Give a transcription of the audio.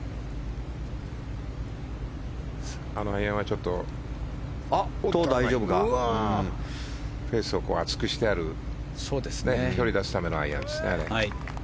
あのアイアンはちょっとフェースを厚くしてある距離を出すためのアイアンですね。